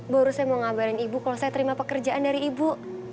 baru saya mau ngabarin ibu kalau saya terima pekerjaan dari ibu